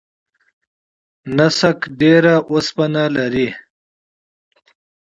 نسک ډیر اوسپنه لري.